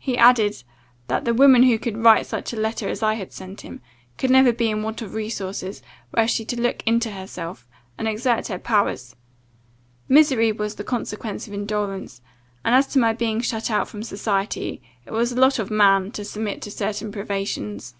He added, 'That the woman who could write such a letter as I had sent him, could never be in want of resources, were she to look into herself, and exert her powers; misery was the consequence of indolence, and, as to my being shut out from society, it was the lot of man to submit to certain privations.